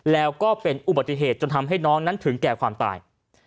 แล้วก็เป็นอุบัติเหตุจนทำให้น้องนั้นถึงแก่ความตาย